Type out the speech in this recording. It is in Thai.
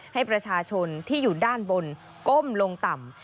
ให้ประชาชนที่อยู่ด้านบนก้มลงต่ำ